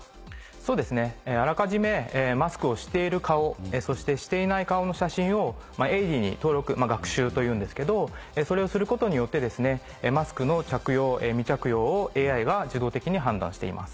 そうですねあらかじめマスクをしている顔そしてしていない顔の写真を「エイディ」に登録学習というんですけどそれをすることによってマスクの着用未着用をＡＩが自動的に判断しています。